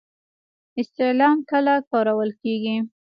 استعلام کله کارول کیږي؟